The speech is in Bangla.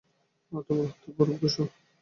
আর, তোমরা, হাতে বরফ ঘষো।